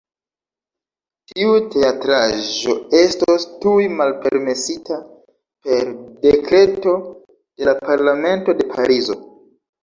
Tiu teatraĵo estos tuj malpermesita per Dekreto de la Parlamento de Parizo.